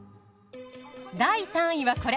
第３位はこれ。